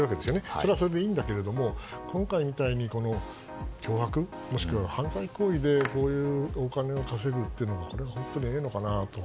それはそれでいいんだけれども今回みたいに脅迫もしくは犯罪行為でこういうお金を稼ぐというのは本当にいいのかなと。